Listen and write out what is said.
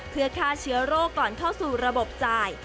เพื่อฆ่าเชื้อโรคก่อนเข้าสู่ระบบจ่าย